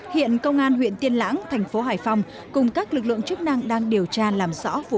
hiện công an huyện tiên lãng thành phố hải phòng cùng các lực lượng chức năng đang điều tra làm rõ vụ án